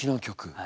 はい。